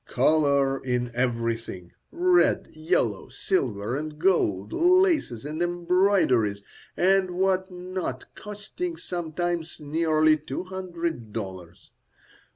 Colour in everything; red, yellow, silver, and gold, laces and embroideries and what not, costing sometimes nearly two hundred dollars.